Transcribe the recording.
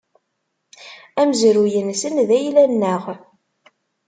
Amezruy-nsen, d ayla-nneɣ.